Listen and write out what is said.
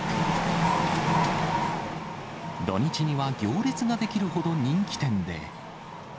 土日には行列が出来るほど人気店で。